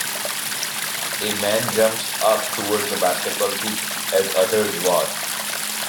A man jumps up towards the basketball hoop as others watch.